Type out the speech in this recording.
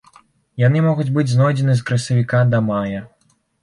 Яны могуць быць знойдзены з красавіка да мая.